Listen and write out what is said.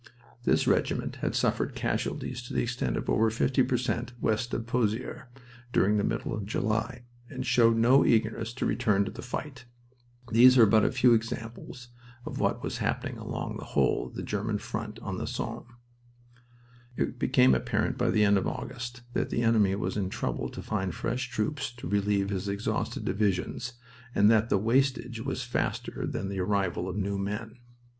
This regiment had suffered casualties to the extent of over 50 percent west of Pozires during the middle of July, and showed no eagerness to return to the fight. These are but a few examples of what was happening along the whole of the German front on the Somme. It became apparent by the end of August that the enemy was in trouble to find fresh troops to relieve his exhausted divisions, and that the wastage was faster than the arrival of new men.